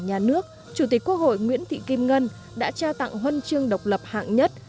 nhà nước chủ tịch quốc hội nguyễn thị kim ngân đã trao tặng huân chương độc lập hạng nhất